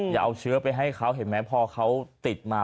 อย่าเอาเชื้อไปให้เขาเห็นไหมพอเขาติดมา